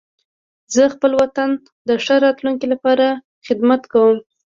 زه خپل وطن د ښه راتلونکي لپاره خدمت کوم.